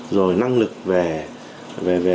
rồi năng lực về phát triển